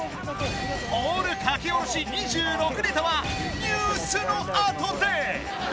オール書き下ろし２６ネタはニュースのあとで！